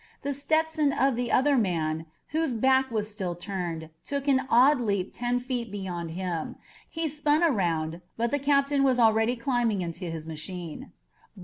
The Stetson of the other man, whose back was still turned, took an odd little leap ten feet beyond him. He spun around, but the captain was already climbing into his machine.